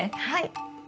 はい。